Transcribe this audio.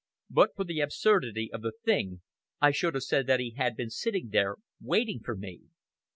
But for the absurdity of the thing, I should have said that he had been sitting there waiting for me.